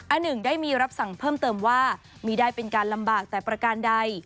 อันหนึ่งได้มีรับสั่งเพิ่มเติมว่ามีได้เป็นการลำบากแต่ประการใด